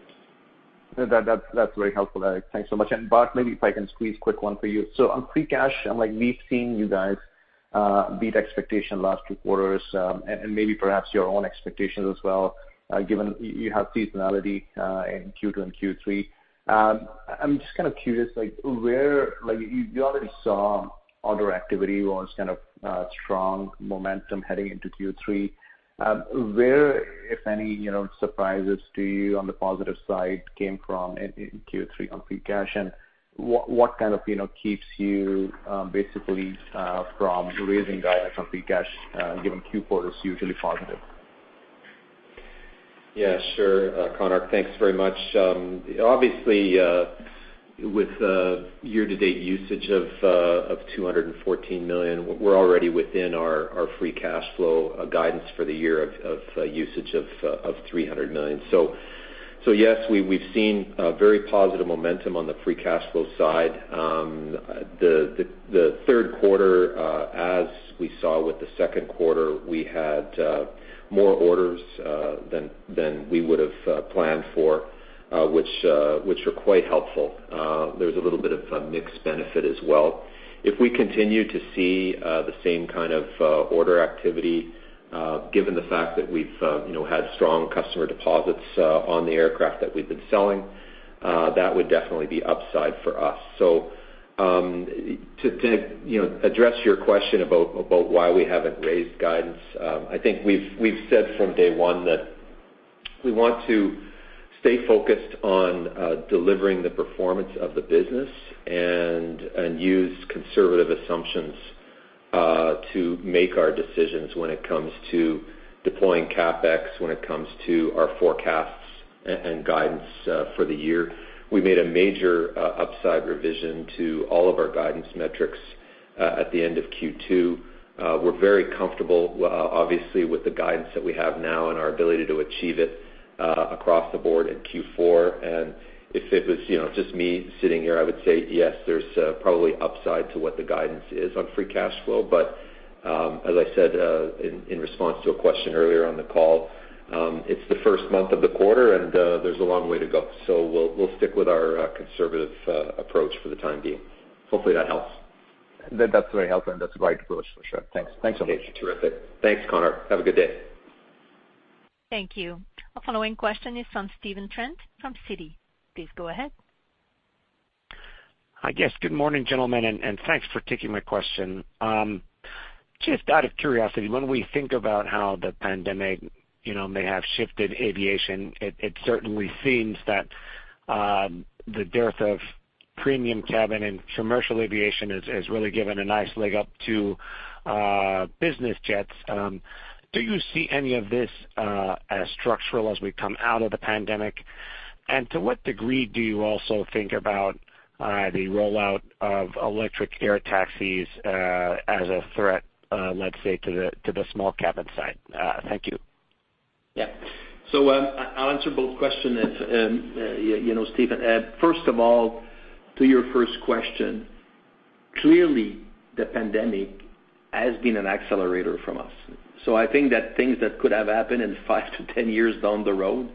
That's very helpful. Thanks so much. Bart, maybe if I can squeeze a quick one for you. On free cash, I'm like, we've seen you guys beat expectations last two quarters, and maybe perhaps your own expectations as well, given you have seasonality in Q2 and Q3. I'm just kind of curious, like where you already saw order activity was kind of strong momentum heading into Q3. Where, if any, you know, surprises to you on the positive side came from in Q3 on free cash? What kind of, you know, keeps you basically from raising guidance on free cash, given Q4 is usually positive? Yeah, sure, Konark. Thanks very much. Obviously, with year-to-date usage of $214 million, we're already within our free cash flow guidance for the year of usage of $300 million. Yes, we've seen a very positive momentum on the free cash flow side. The third quarter, as we saw with the second quarter, we had more orders than we would have planned for, which were quite helpful. There's a little bit of a mixed benefit as well. If we continue to see the same kind of order activity, given the fact that we've you know had strong customer deposits on the aircraft that we've been selling, that would definitely be upside for us. To you know, address your question about why we haven't raised guidance, I think we've said from day one that we want to stay focused on delivering the performance of the business and use conservative assumptions to make our decisions when it comes to deploying CapEx, when it comes to our forecasts and guidance for the year. We made a major upside revision to all of our guidance metrics at the end of Q2. We're very comfortable obviously with the guidance that we have now and our ability to achieve it across the board in Q4. If it was you know, just me sitting here, I would say, yes, there's probably upside to what the guidance is on free cash flow. As I said, in response to a question earlier on the call, it's the first month of the quarter, and there's a long way to go. We'll stick with our conservative approach for the time being. Hopefully, that helps. That's very helpful, and that's the right approach for sure. Thanks. Thanks so much. Okay. Terrific. Thanks, Konark. Have a good day. Thank you. Our following question is from Stephen Trent from Citi. Please go ahead. Hi, guys. Good morning, gentlemen, and thanks for taking my question. Just out of curiosity, when we think about how the pandemic, you know, may have shifted aviation, it certainly seems that the dearth of premium cabin and commercial aviation has really given a nice leg up to business jets. Do you see any of this as structural as we come out of the pandemic? To what degree do you also think about the rollout of electric air taxis as a threat, let's say, to the small cabin side? Thank you. Yeah. I'll answer both questions if you know, Stephen. First of all, to your first question, clearly the pandemic has been an accelerator for us. I think that things that could have happened in five to ten years down the road,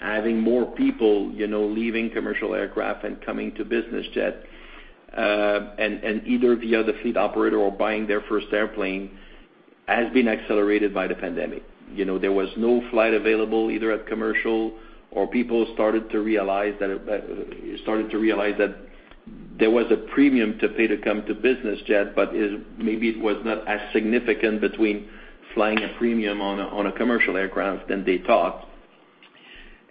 having more people, you know, leaving commercial aircraft and coming to business jet, and either via the fleet operator or buying their first airplane, has been accelerated by the pandemic. You know, there was no flight available either in commercial or people started to realize that there was a premium to pay to come to business jet, but maybe it was not as significant between flying a premium on a commercial aircraft than they thought.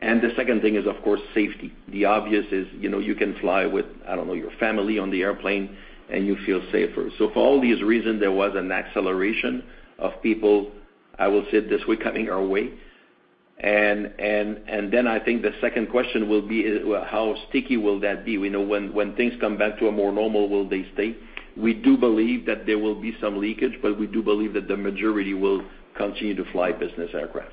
The second thing is, of course, safety. The obvious is, you know, you can fly with, I don't know, your family on the airplane, and you feel safer. For all these reasons, there was an acceleration of people, I will say it this way, coming our way. I think the second question will be, is how sticky will that be? You know, when things come back to a more normal will they stay? We do believe that there will be some leakage, but we do believe that the majority will continue to fly business aircraft.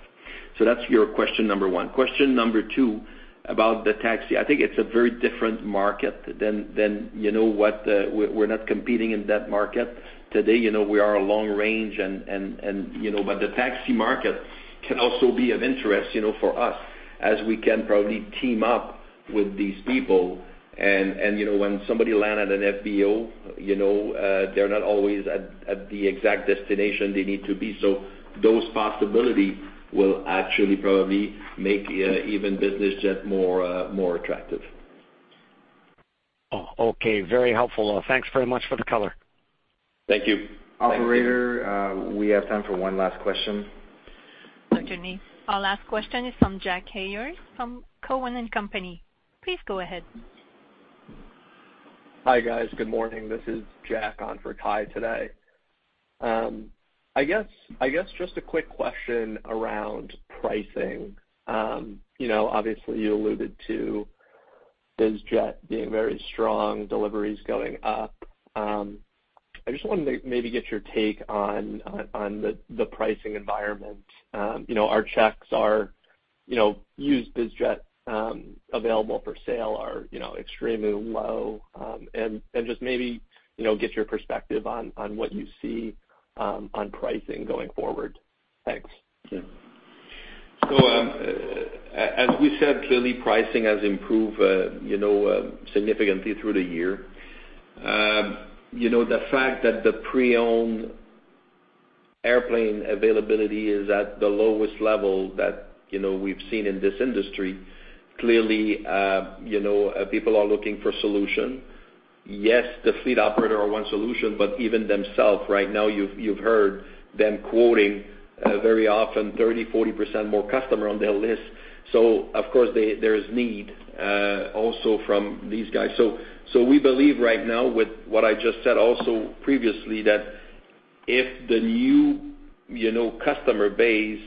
That's your question number one. Question number two about the taxi. I think it's a very different market than you know what we're not competing in that market today. You know, we are a long range and you know, but the taxi market can also be of interest, you know, for us as we can probably team up with these people. You know, when somebody land at an FBO, you know, they're not always at the exact destination they need to be. Those possibility will actually probably make even business jet more more attractive. Oh, okay. Very helpful. Thanks very much for the color. Thank you. Operator, we have time for one last question. Certainly. Our last question is from Jack Ayers from Cowen and Company. Please go ahead. Hi, guys. Good morning. This is Jack on for Cai today. I guess just a quick question around pricing. You know, obviously you alluded to biz jet being very strong, deliveries going up. I just wanted to maybe get your take on the pricing environment. You know, our checks are, you know, used biz jet available for sale are, you know, extremely low. And just maybe you know, get your perspective on what you see on pricing going forward. Thanks. Yeah. As we said, clearly pricing has improved, you know, significantly through the year. You know, the fact that the pre-owned airplane availability is at the lowest level that, you know, we've seen in this industry, clearly, you know, people are looking for solution. Yes, the fleet operator are one solution, but even themselves right now you've heard them quoting, very often 30%, 40% more customer on their list. Of course there is need, also from these guys. We believe right now with what I just said also previously that if the new, you know, customer base,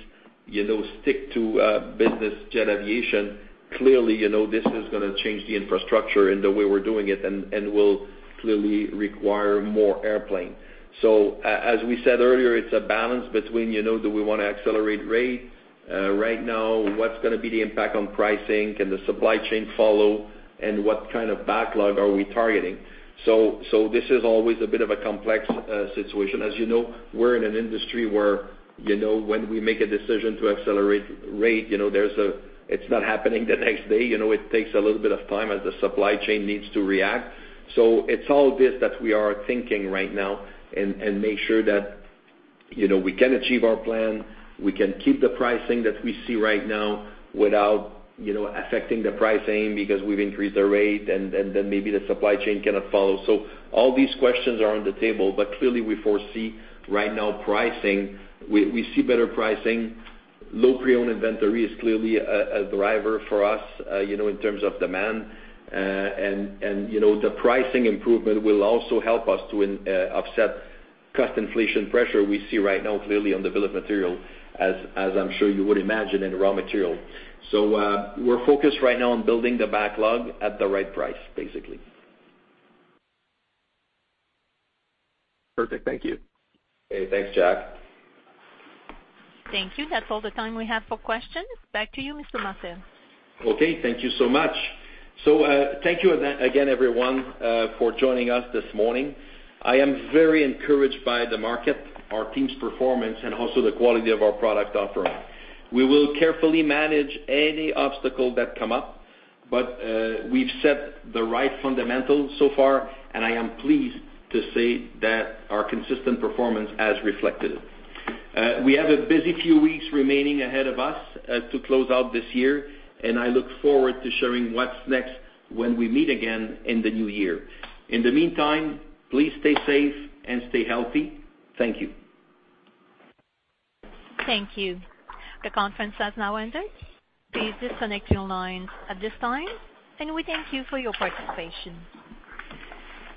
you know, stick to, business jet aviation, clearly, you know, this is gonna change the infrastructure and the way we're doing it, and will clearly require more airplane. We said earlier, it's a balance between, you know, do we wanna accelerate rate? Right now, what's gonna be the impact on pricing? Can the supply chain follow? What kind of backlog are we targeting? This is always a bit of a complex situation. As you know, we're in an industry where, you know, when we make a decision to accelerate rate, you know, It's not happening the next day, you know? It takes a little bit of time as the supply chain needs to react. It's all this that we are thinking right now and make sure that, you know, we can achieve our plan. We can keep the pricing that we see right now without, you know, affecting the pricing because we've increased the rate and then maybe the supply chain cannot follow. All these questions are on the table. Clearly, we foresee right now pricing. We see better pricing. Low pre-owned inventory is clearly a driver for us in terms of demand. The pricing improvement will also help us to offset cost inflation pressure we see right now clearly on the bill of material, as I'm sure you would imagine in raw material. We're focused right now on building the backlog at the right price, basically. Perfect. Thank you. Okay. Thanks, Jack. Thank you. That's all the time we have for questions. Back to you, Mr. Martel. Okay. Thank you so much. Thank you again, everyone, for joining us this morning. I am very encouraged by the market, our team's performance, and also the quality of our product offering. We will carefully manage any obstacle that come up, but we've set the right fundamentals so far, and I am pleased to say that our consistent performance is reflected. We have a busy few weeks remaining ahead of us to close out this year, and I look forward to sharing what's next when we meet again in the new year. In the meantime, please stay safe and stay healthy. Thank you. Thank you. The conference has now ended. Please disconnect your lines at this time, and we thank you for your participation.